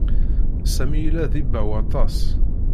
Sami yella d ibaw aṭas.